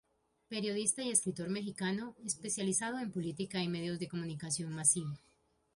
Periodista y escritor mexicano, especializado en política y medios de comunicación masiva.